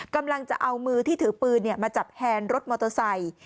กำลังจะเอามือที่ถือปืนมาจับแฮนรถมอเตอร์ไซค์